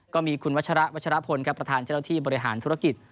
ก็มีคุณวัชระวัชระพลประธานเจ้าที่บริหารธุรกิจ